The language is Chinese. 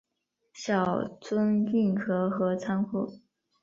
小樽运河和仓库